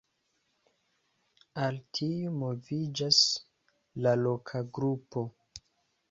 Al tiu moviĝas la "Loka Grupo".